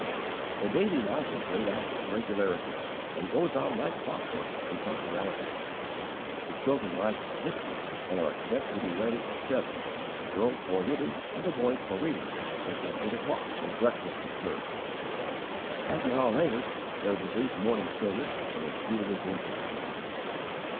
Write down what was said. The daily life is laid out with regularity and goes on like clockwork in punctuality. The children rise at six and are expected to be ready at seven, the girls for knitting and the boys for reading, until eight o'clock, when breakfast is served. Half an hour later there is a brief morning service, and the school begins at ten.